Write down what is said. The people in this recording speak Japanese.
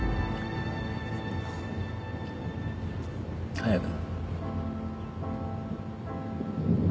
・早く。